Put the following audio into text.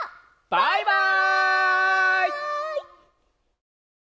バイバイ！